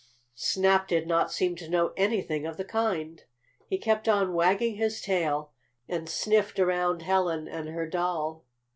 Snap did not seem to know anything of the kind. He kept on wagging his tail, and sniffed around Helen and her doll.